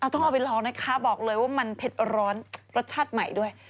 ต้องเอาไปลองนะคะบอกเลยว่ามันเผ็ดร้อนรสชาติใหม่ด้วย